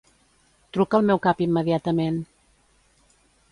Truca al meu cap immediatament.